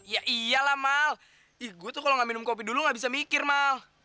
ya iyalah mal gue tuh kalau gak minum kopi dulu gak bisa mikir mal